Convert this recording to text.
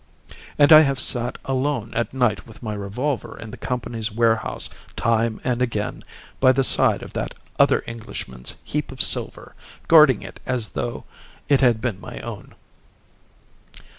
"And I have sat alone at night with my revolver in the Company's warehouse time and again by the side of that other Englishman's heap of silver, guarding it as though it had been my own."